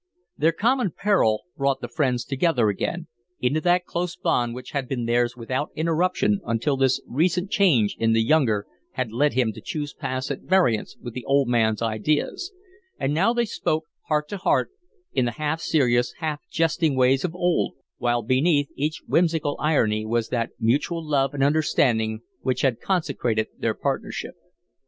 Their common peril brought the friends together again, into that close bond which had been theirs without interruption until this recent change in the younger had led him to choose paths at variance with the old man's ideas; and now they spoke, heart to heart, in the half serious, half jesting ways of old, while beneath each whimsical irony was that mutual love and understanding which had consecrated their partnership.